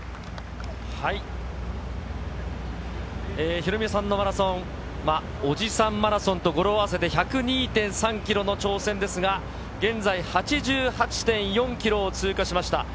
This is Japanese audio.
ヒロミさんのマラソン、おじさんマラソンと語呂合わせで１０２．３キロの挑戦ですが、現在、８８．４キロを通過しました。